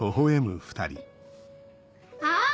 あ！